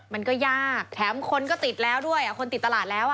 มันก็ยากแถมคนก็ติดแล้วด้วยคนติดตลาดแล้ว